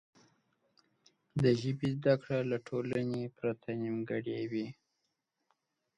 د ژبې زده کړه له ټولنې پرته نیمګړې وي.